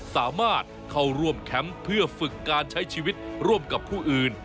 สามารถเข้าร่วมแคมป์เพื่อฝึกการใช้ชีวิตร่วมกับผู้อื่น